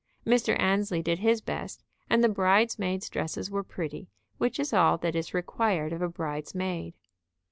Mr. Annesley did his best, and the bridesmaids' dresses were pretty, which is all that is required of a bride's maid.